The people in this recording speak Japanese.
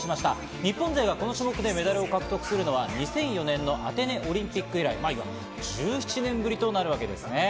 日本勢がこの種目でメダルを獲得するのは、２００４年のアテネオリンピック以来１７年ぶりとなるんです。